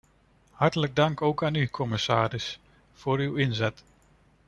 Hartelijk dank ook aan u, commissaris, voor uw inzet.